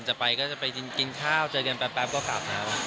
จะไปก็จะไปกินข้าวเจอกันแป๊บก็กลับแล้ว